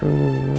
tidak ada apa apa